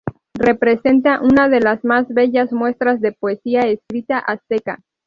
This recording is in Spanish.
Representa una de las más bellas muestras de poesía escrita azteca.